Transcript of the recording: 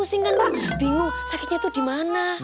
bungcing kan pak bingung sakitnya tuh dimana